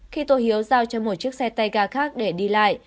khi tôi hiếu giao cho một chiếc xe tay ga khác để đi lại